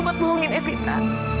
buat bohongin evita